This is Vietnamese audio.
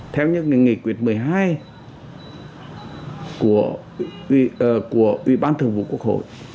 theo những nghị quyết một mươi hai của ubthqh